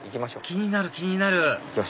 気になる気になる！